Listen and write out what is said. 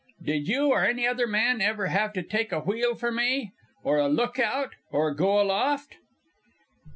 Did you or any other man ever have to take a wheel for me? Or a lookout? Or go aloft?"